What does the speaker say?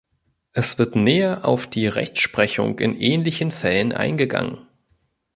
Es wird näher auf die Rechtsprechung in ähnlichen Fällen eingegangen.